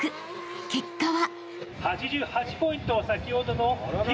［結果は］